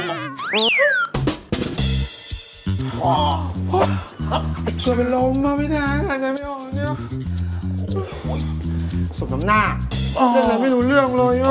กลัวมันล้มมาไม่ได้หากใจไม่ออกแล้ว